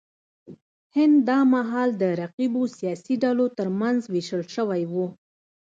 هند دا مهال د رقیبو سیاسي ډلو ترمنځ وېشل شوی و.